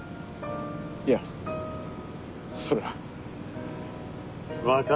いやそれは。